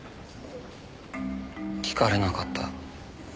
聞かれなかった。